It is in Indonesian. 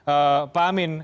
eh pak amin